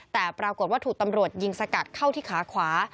แต่ปรากฏว่าถูกตำรวจยิงสกัดเข้าที่ขาขวา